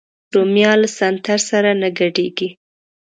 رومیان له سنتر سره نه ګډېږي